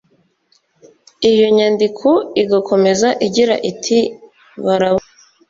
iyo nyandiko igakomeza igira iti barabuze